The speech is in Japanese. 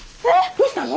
どうしたの？